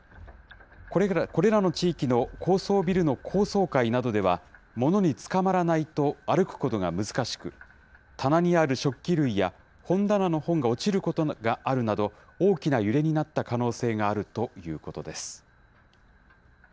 これらの地域の高層ビルの高層階などでは、物につかまらないと歩くことが難しく、棚にある食器類や本棚の本が落ちることがあるなど、大きな揺れになった可能性があるということです。